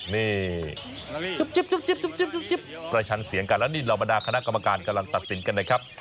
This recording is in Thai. นี่จุ๊บประชันเสียงกันแล้วนี่เหล่าบรรดาคณะกรรมการกำลังตัดสินกันนะครับ